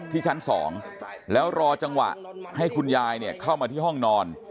ที่ชั้น๒แล้วรอจังหวะให้คุณยายเข้ามาที่ห้องนอน